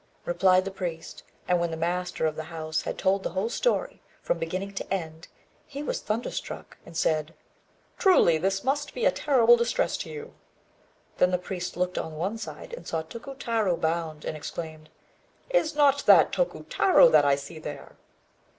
replied the priest. And when the master of the house had told the whole story, from beginning to end, he was thunderstruck, and said "Truly, this must be a terrible distress to you." Then the priest looked on one side, and saw Tokutarô bound, and exclaimed, "Is not that Tokutarô that I see there?"